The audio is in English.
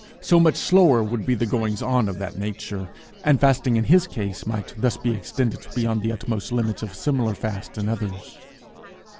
So much the slower would be the goings on of that nature; and fasting in his case might thus be extended beyond the utmost limits of similar fasts in others.